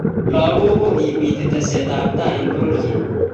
Lakok kokimiti tesetab tai eng pororiet